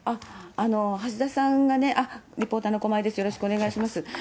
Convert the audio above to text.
橋田さんがね、リポーターの駒井です、よろしくお願いします。